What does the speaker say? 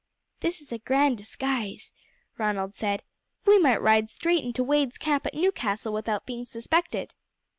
"This is a grand disguise," Ronald said. "We might ride straight into Wade's camp at Newcastle without being suspected."